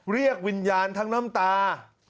เรียกวิญญาณทั้งน้ำตา